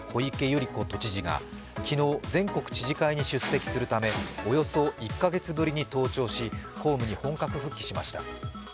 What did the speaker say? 東京都知事が昨日、全国知事会に出席するため、およそ１カ月ぶりに登庁し、公務に本格復帰しました。